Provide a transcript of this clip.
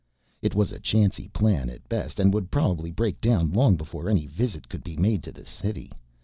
It was a chancy plan at best, and would probably break down long before any visit could be made to the city.